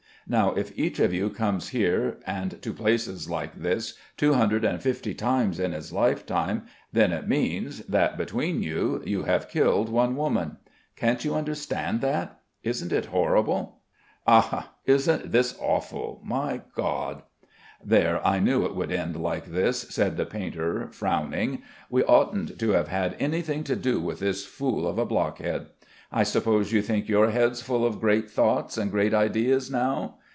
Now if each of you comes here and to places like this two hundred and fifty times in his lifetime, then it means that between you you have killed one woman. Can't you understand that? Isn't it horrible?" "Ah, isn't this awful, my God?" "There, I knew it would end like this," said the painter frowning. "We oughtn't to have had anything to do with this fool of a blockhead. I suppose you think your head's full of great thoughts and great ideas now.